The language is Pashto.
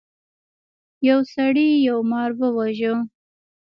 یو سړي یو مار وواژه.